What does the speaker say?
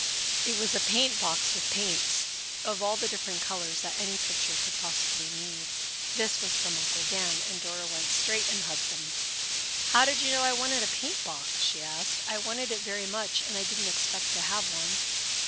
It was a paint box with paints of all the different colors that any picture could possibly need. This was from Uncle Dan, and Dora went straight and hugged him. "How did you know I wanted a paint box?" she asked. "I wanted it very much and I didn't expect to have one."